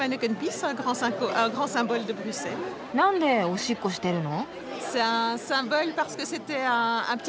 なんでおしっこしてるの？